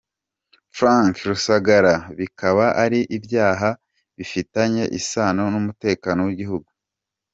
Frank Rusagara, bikaba ari ibyaha bifitanye isano n’umutekano w’igihugu.